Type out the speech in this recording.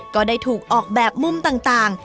ก็ได้ถูกออกแบบมุมต่าง